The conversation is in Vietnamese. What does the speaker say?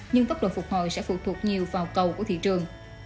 nhưng tốc độ phục hồi sẽ phụ thuộc nhiều vào cầu của thị trường